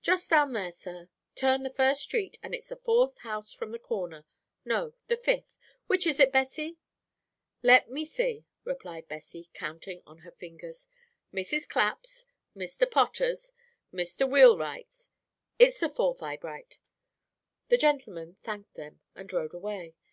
"Just down there, sir; turn the first street, and it's the fourth house from the corner. No, the fifth, which is it, Bessie?" "Let me see," replied Bessie, counting on her fingers. "Mrs. Clapp's, Mr. Potter's, Mr. Wheelwright's, it's the fourth, Eyebright." The gentleman thanked them and rode away.